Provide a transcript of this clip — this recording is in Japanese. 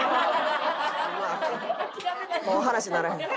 もう話にならへん。